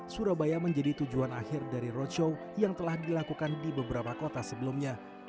surabaya menjadi tujuan akhir dari roadshow yang telah dilakukan di beberapa kota sebelumnya